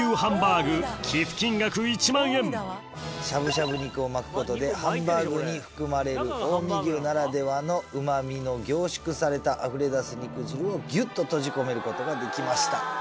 「しゃぶしゃぶ肉を巻くことでハンバーグに含まれる近江牛ならではのうまみの凝縮されたあふれ出す肉汁をギュっと閉じ込めることができました」